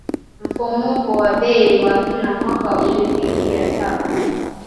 Mfumuko wa bei wa kila mwaka ulifikia saba